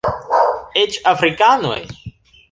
Eĉ afrikanoj!